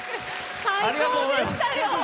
最高でしたよ。